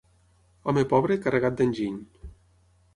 Home pobre, carregat d'enginy.